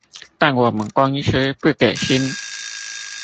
但我們公司不給薪